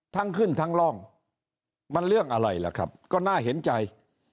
ทั้งขึ้นทั้งร่องมันเรื่องอะไรล่ะครับก็น่าเห็นใจ